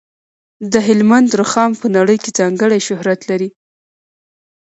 د هلمند رخام په نړۍ کې ځانګړی شهرت لري.